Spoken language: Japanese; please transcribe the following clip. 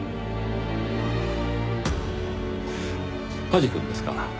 土師くんですか？